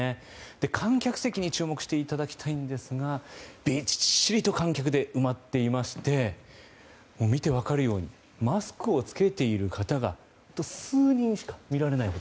観客席に注目していただきたいんですがびっしりと観客で埋まっていまして見て分かるようにマスクを着けている方が数人しか見られないと。